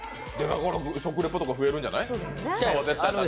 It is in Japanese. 食リポとか増えるんじゃない？